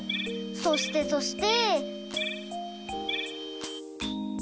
そしてそして。